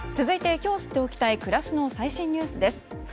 続いて今日知っておきたい暮らしの最新ニュースです。